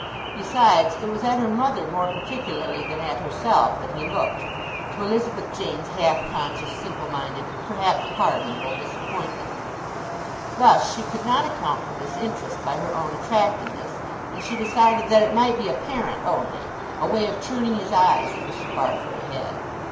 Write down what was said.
Besides, it was at her mother more particularly than at herself that he looked, to Elizabeth Jane's half conscious, simple minded, perhaps pardonable, disappointment. Thus she could not account for this interest by her own attractiveness, and she decided that it might be apparent only—a way of turning his eyes that Mr. Farfrae had.